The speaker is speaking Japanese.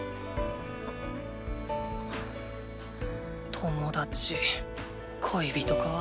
友達恋人かぁ。